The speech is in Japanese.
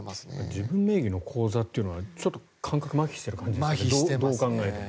自分名義の口座っていうのはちょっと感覚がまひしている感じですよね、どう考えても。